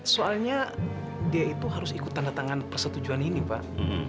soalnya dia itu harus ikut tanda tangan persetujuan ini pak